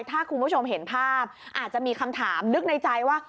ถ้าคุณผู้ชมเห็นภาพอาจจะมีคำถามนึกในใจว่า